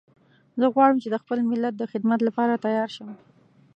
زه غواړم چې د خپل ملت د خدمت لپاره تیار شم